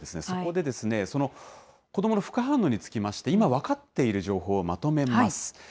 そこでですね、その子どもの副反応につきまして、今、分かっている情報をまとめます。